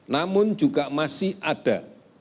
namun juga masih ada